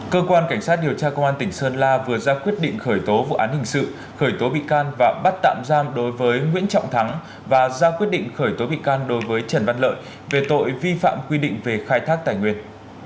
cơ quan cảnh sát điều tra công an tỉnh sơn la vừa ra quyết định khởi tố vụ án hình sự khởi tố bị can và bắt tạm giam đối với nguyễn trọng thắng và ra quyết định khởi tố bị can đối với trần văn lợi về tội vi phạm quy định về khai thác tài nguyên